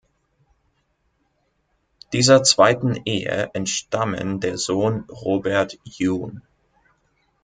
Dieser zweiten Ehe entstammen der Sohn Robert jun.